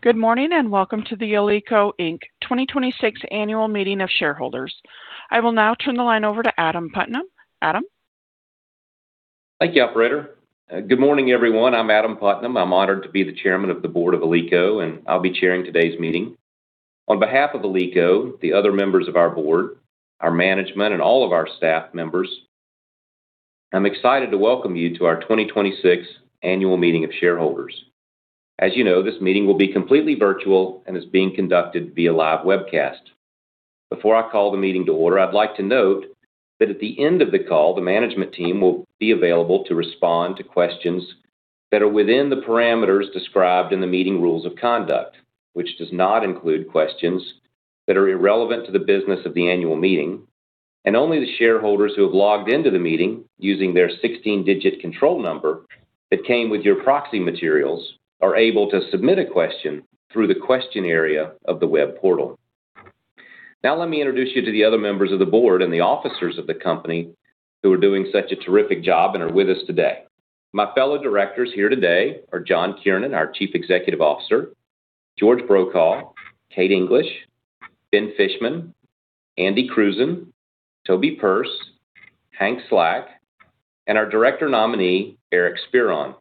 Good morning, and welcome to the Alico, Inc. 2026 Annual Meeting of Shareholders. I will now turn the line over to Adam Putnam. Adam? Thank you, operator. Good morning, everyone. I'm Adam Putnam. I'm honored to be the Chairman of the Board of Alico, and I'll be chairing today's meeting. On behalf of Alico, the other members of our board, our management, and all of our staff members, I'm excited to welcome you to our 2026 annual meeting of shareholders. As you know, this meeting will be completely virtual and is being conducted via live webcast. Before I call the meeting to order, I'd like to note that at the end of the call, the management team will be available to respond to questions that are within the parameters described in the meeting rules of conduct, which does not include questions that are irrelevant to the business of the annual meeting. Only the shareholders who have logged into the meeting using their 16-digit control number that came with your proxy materials are able to submit a question through the question area of the web portal. Let me introduce you to the other members of the board and the officers of the company who are doing such a terrific job and are with us today. My fellow directors here today are John Kiernan, our Chief Executive Officer, George Brokaw, Kate English, Ben Fishman, Andy Krusen, Toby Purse, Hank Slack, and our director nominee, Eric Spyron.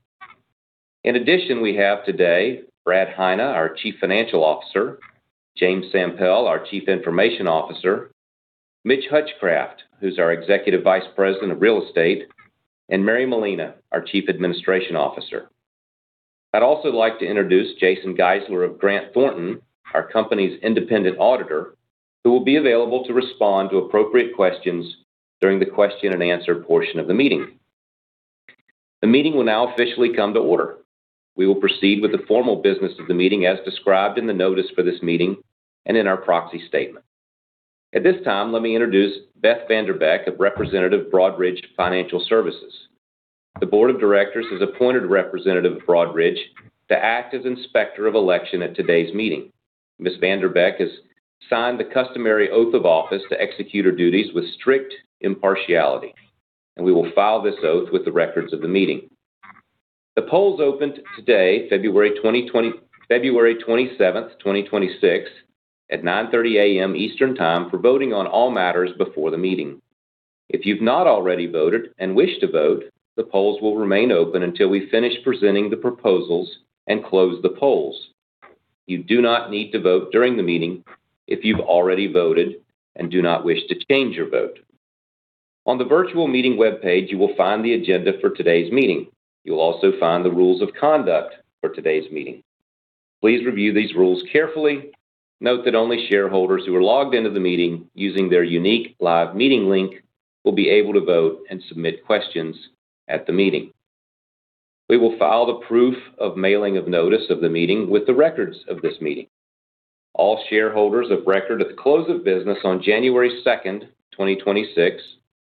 In addition, we have today Brad Heine, our Chief Financial Officer, James Sampel, our Chief Information Officer, Mitch Hutchcraft, who's our Executive Vice President of Real Estate, and Mary Molina, our Chief Administration Officer. I'd also like to introduce Jason Geisler of Grant Thornton, our company's Independent Auditor, who will be available to respond to appropriate questions during the question-and-answer portion of the meeting. The meeting will now officially come to order. We will proceed with the formal business of the meeting as described in the notice for this meeting and in our proxy statement. At this time, let me introduce Beth VanDerbeck of Broadridge Financial Solutions. The Board of Directors has appointed Representative Broadridge to act as Inspector of Election at today's meeting. Ms. VanDerbeck has signed the customary oath of office to execute her duties with strict impartiality. We will file this oath with the records of the meeting. The polls opened today, February 27th, 2026, at 9:00 A.M. Eastern Time for voting on all matters before the meeting. If you've not already voted and wish to vote, the polls will remain open until we finish presenting the proposals and close the polls. You do not need to vote during the meeting if you've already voted and do not wish to change your vote. On the virtual meeting webpage, you will find the agenda for today's meeting. You'll also find the rules of conduct for today's meeting. Please review these rules carefully. Note that only shareholders who are logged into the meeting using their unique live meeting link will be able to vote and submit questions at the meeting. We will file the proof of mailing of notice of the meeting with the records of this meeting. All shareholders of record at the close of business on January 2nd, 2026,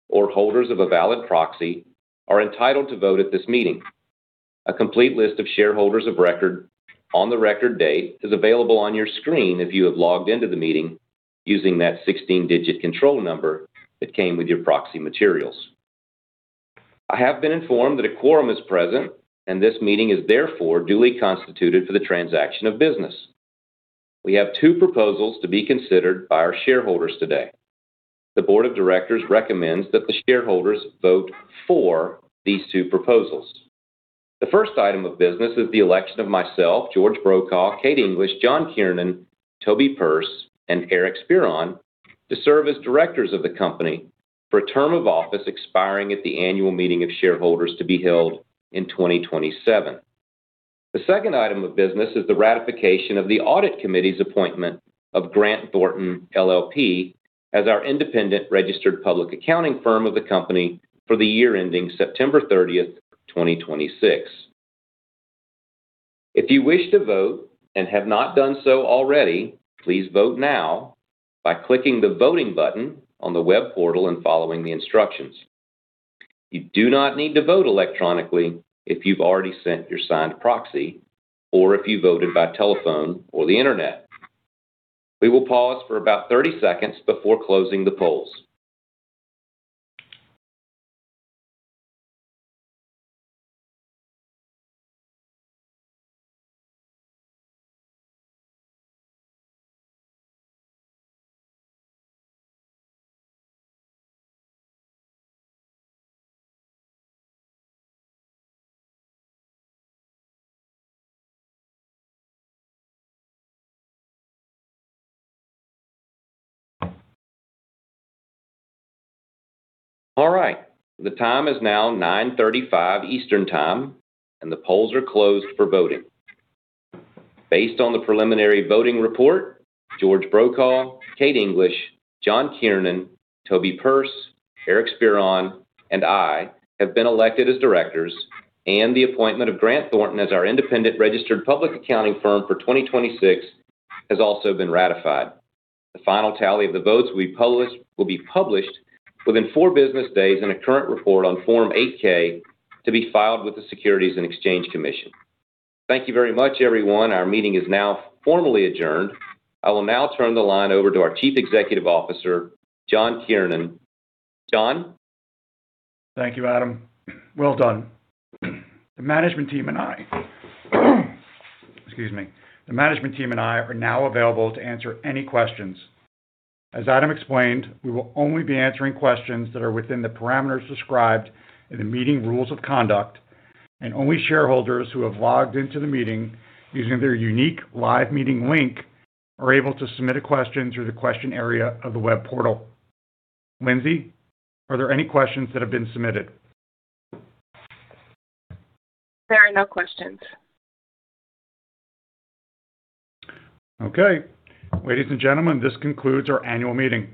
or holders of a valid proxy are entitled to vote at this meeting. A complete list of shareholders of record on the record date is available on your screen if you have logged into the meeting using that 16-digit control number that came with your proxy materials. I have been informed that a quorum is present, and this meeting is, therefore, duly constituted for the transaction of business. We have two proposals to be considered by our shareholders today. The Board of Directors recommends that the shareholders vote for these two proposals. The first item of business is the election of myself, George Brokaw, Kate English, John Kiernan, Toby Purse, and Eric Spyron to serve as directors of the company for a term of office expiring at the annual meeting of shareholders to be held in 2027. The second item of business is the ratification of the audit committee's appointment of Grant Thornton LLP as our independent registered public accounting firm of the company for the year ending September 30th, 2026. If you wish to vote and have not done so already, please vote now by clicking the voting button on the web portal and following the instructions. You do not need to vote electronically if you've already sent your signed proxy or if you voted by telephone or the Internet. We will pause for about 30 seconds before closing the polls. All right. The time is now 9:35 A.M. Eastern Time, and the polls are closed for voting. Based on the preliminary voting report, George Brokaw, Kate English, John Kiernan, Toby Purse, Eric Spiron, and I have been elected as directors, and the appointment of Grant Thornton as our independent registered public accounting firm for 2026 has also been ratified. The final tally of the votes will be published within four business days in a current report on Form 8-K to be filed with the Securities and Exchange Commission. Thank you very much, everyone. Our meeting is now formally adjourned. I will now turn the line over to our Chief Executive Officer, John Kiernan. John? Thank you, Adam. Well done. The management team and I are now available to answer any questions. As Adam explained, we will only be answering questions that are within the parameters described in the meeting rules of conduct. Only shareholders who have logged into the meeting using their unique live meeting link are able to submit a question through the question area of the web portal. Lindsay, are there any questions that have been submitted? There are no questions. Okay. Ladies and gentlemen, this concludes our annual meeting.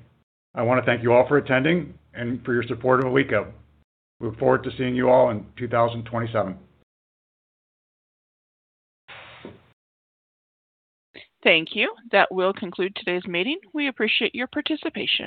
I wanna thank you all for attending and for your support of Alico. We look forward to seeing you all in 2027. Thank you. That will conclude today's meeting. We appreciate your participation.